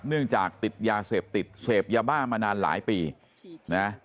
เนื่องจากติดยาเสพติดเสพยาบ้ามานานหลายปีนะ